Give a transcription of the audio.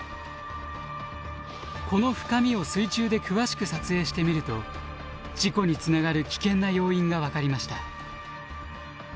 この深みを水中で詳しく撮影してみると事故につながる危険な要因が分かりました。